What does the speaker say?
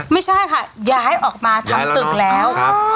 ไม่ใช่ค่ะย้ายออกมาทำตึกแล้ว